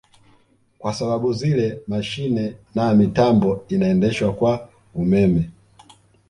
Kwa sababu zile mashine na mitambo inaendeshwa kwa ummeme